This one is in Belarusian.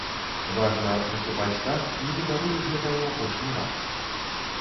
Важна выступаць так, нібыта робіш гэта ў апошні раз.